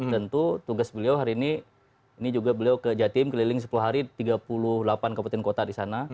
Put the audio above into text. tentu tugas beliau hari ini ini juga beliau ke jatim keliling sepuluh hari tiga puluh delapan kabupaten kota di sana